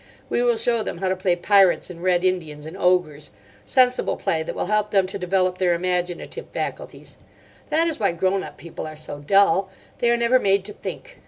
We will show them how to play Pirates and Red Indians and Ogres—sensible play that will help them to develop their imaginative faculties. That is why grown up people are so dull; they are never made to think.